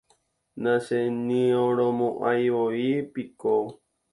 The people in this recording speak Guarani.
nacheñyrõmo'ãivoi piko